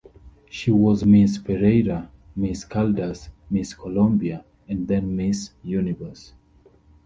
She was Miss Pereira, Miss Caldas, Miss Colombia and then Miss Universe.